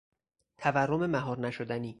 تورم مهار نشدنی